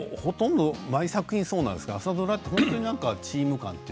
毎作品そうなんですけれど朝ドラのチーム感